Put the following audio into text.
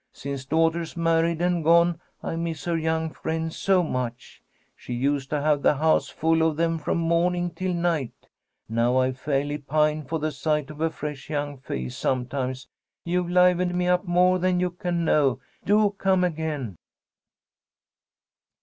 Since daughter's married and gone I miss her young friends so much. She used to have the house full of them from morning till night. Now I fairly pine for the sight of a fresh young face sometimes. You've livened me up more than you can know. Do come again!"